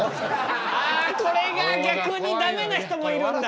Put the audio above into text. あこれが逆に駄目な人もいるんだ。